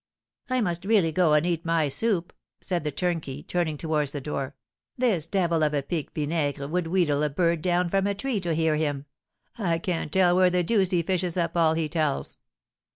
"I must really go and eat my soup," said the turnkey, turning towards the door; "this devil of a Pique Vinaigre would wheedle a bird down from a tree to hear him! I can't tell where the deuce he fishes up all he tells!"